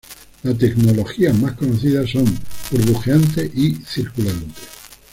Las tecnologías más conocidas son: burbujeante y circulante.